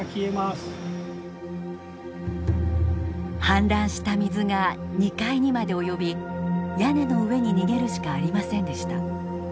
氾濫した水が２階にまで及び屋根の上に逃げるしかありませんでした。